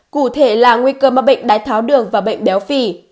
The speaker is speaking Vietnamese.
cụ thể là nguy cơ mắc bệnh đái tháo đường và bệnh béo phì